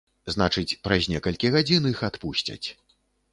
Значыць, праз некалькі гадзін іх адпусцяць.